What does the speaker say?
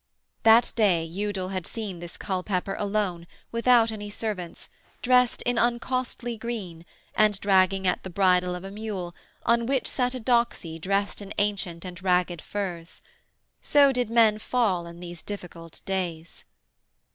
That day Udal had seen this Culpepper alone, without any servants, dressed in uncostly green, and dragging at the bridle of a mule, on which sat a doxy dressed in ancient and ragged furs. So did men fall in these difficult days.